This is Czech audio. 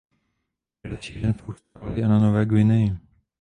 Je rozšířen v Austrálii a na Nové Guineji.